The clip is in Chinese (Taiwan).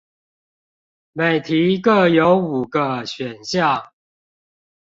每題各有五個選項